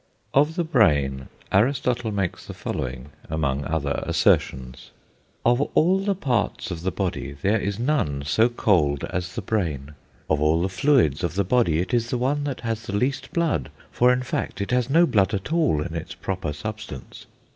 Of the brain Aristotle makes the following among other assertions: "Of all parts of the body there is none so cold as the brain.... Of all the fluids of the body it is the one that has the least blood, for, in fact, it has no blood at all in its proper substance....